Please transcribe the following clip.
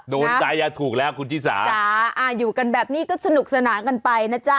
โดนใจอ่ะถูกแล้วคุณชิสาจ้าอ่าอยู่กันแบบนี้ก็สนุกสนานกันไปนะจ๊ะ